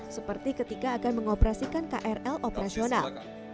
seperti ketika akan mengoperasikan krl operasional